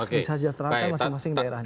bisa jaterakan masing masing daerahnya